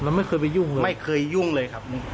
ไม่เคยไปยุ่งเลยไม่เคยยุ่งเลยครับ